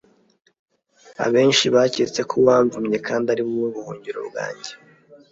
abenshi baketse ko wamvumye, kandi ari wowe buhungiro bwanjye